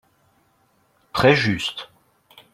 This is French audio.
Très juste